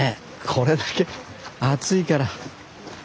これだけ暑いから。